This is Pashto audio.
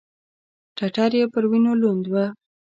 ټټر يې پر وينو لوند و.